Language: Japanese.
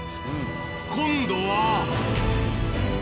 今度は。